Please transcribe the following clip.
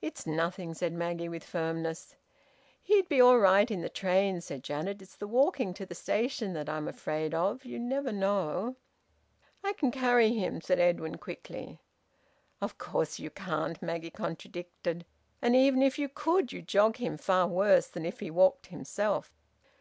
"It's nothing," said Maggie, with firmness. "He'd be all right in the train," said Janet. "It's the walking to the station that I'm afraid of... You never know." "I can carry him," said Edwin quickly. "Of course you can't!" Maggie contradicted. "And even if you could you'd jog him far worse than if he walked himself."